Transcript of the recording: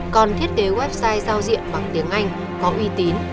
còn thiết kế website giao diện bằng tiếng anh có uy tín